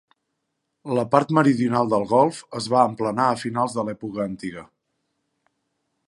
La part meridional del golf es va emplenar a finals de l'època antiga.